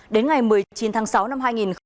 đến ngày một mươi chín tháng sáu năm hai nghìn hai mươi